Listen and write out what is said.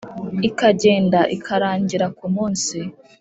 ikagenda ikarangira ku munsi